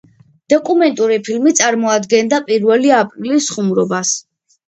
დოკუმენტური ფილმი წარმოადგენდა პირველი აპრილის ხუმრობას.